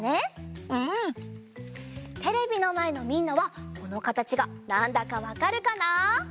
テレビのまえのみんなはこのかたちがなんだかわかるかな？